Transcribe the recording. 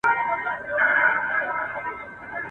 بس هلک مي له بدیو توبه ګار کړ ..